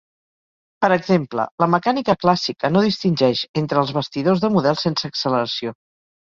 Per exemple, la mecànica clàssica no distingeix entre als bastidors de models sense acceleració.